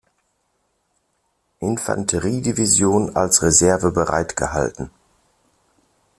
Infanterie-Division als Reserve bereitgehalten.